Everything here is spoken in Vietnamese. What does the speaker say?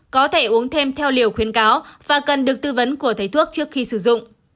có thể uống thêm theo liều khuyến cáo và cần được tư vấn của thầy thuốc trước khi sử dụng